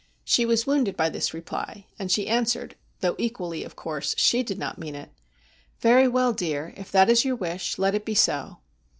She was wounded by this reply, and she answered, though equally, of course, she did not mean it :' Very well, dear, if that is your wish, let it be so.'